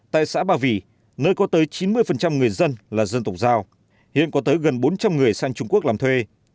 tại xã ba vì nơi có tới chín mươi người dân là dân tổng giao hiện có tới gần bốn trăm linh người sang trung quốc làm thuê